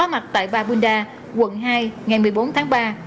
ba puda quận hai ngày một mươi bốn tháng ba